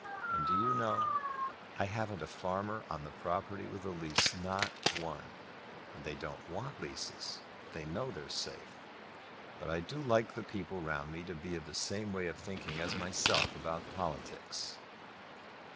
And, do you know, I haven't a farmer on the property with a lease, not one; and they don't want leases. They know they're safe. But I do like the people round me to be of the same way of thinking as myself about politics."